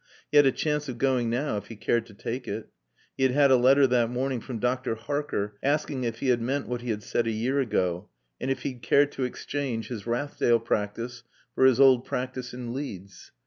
He had a chance of going now if he cared to take it. He had had a letter that morning from Dr. Harker asking if he had meant what he had said a year ago, and if he'd care to exchange his Rathdale practice for his old practice in Leeds.